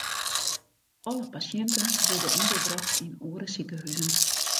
Alle pasjinten wurde ûnderbrocht yn oare sikehuzen.